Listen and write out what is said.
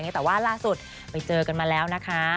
แต่ว่าล่าสุดไปเจอกันมาแล้วนะคะ